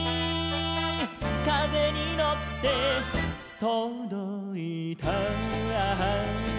「かぜにのってとどいた」